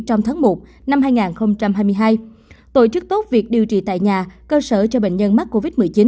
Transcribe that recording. trong tháng một năm hai nghìn hai mươi hai tổ chức tốt việc điều trị tại nhà cơ sở cho bệnh nhân mắc covid một mươi chín